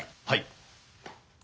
はい。